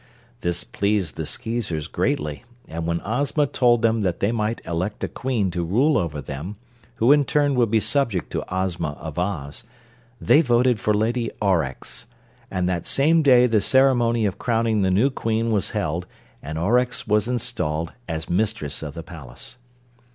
This pleased the Skeezers greatly, and when Ozma told them they might elect a Queen to rule over them, who in turn would be subject to Ozma of Oz, they voted for Lady Aurex, and that same day the ceremony of crowning the new Queen was held and Aurex was installed as mistress of the palace.